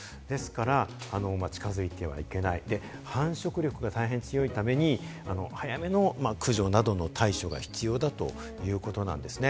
ですから近づいてはいけない、繁殖力が大変強いために、早めの駆除などの対処が必要だということなんですね。